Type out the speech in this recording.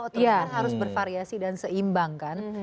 otomatis kan harus bervariasi dan seimbang kan